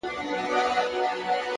هدف لرونکی ژوند ګډوډۍ ته ځای نه پرېږدي،